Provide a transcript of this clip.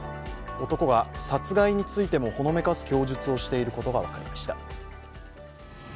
男が殺害についても、ほのめかす供述をしていることが分かりました。